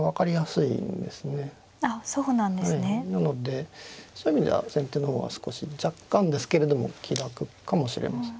なのでそういう意味では先手の方は少し若干ですけれども気楽かもしれません。